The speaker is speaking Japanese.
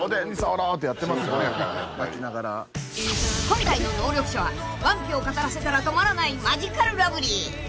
［今回の能力者は『ワンピ』を語らせたら止まらないマヂカルラブリー］